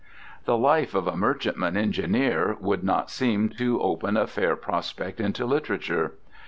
The life of a merchantman engineer would not seem, to open a fair prospect into literature.